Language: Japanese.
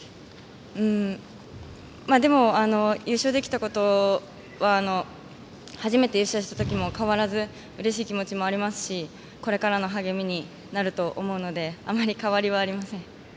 でも、優勝できたことには初めて優勝した時と変わらずうれしい気持ちもありますしこれからの励みになると思うのであまり変わりはありません。